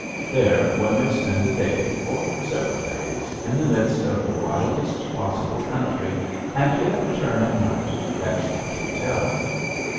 There, one may spend a day, or several days, in the midst of the wildest possible country and yet return at night to excellent hotels.